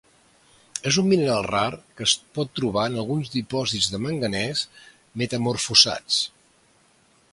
És un mineral rar que es pot trobar en alguns dipòsits de manganès metamorfosats.